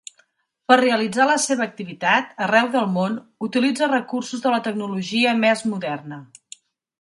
Per realitzar la seva activitat, arreu del món, utilitza recursos de la tecnologia més moderna.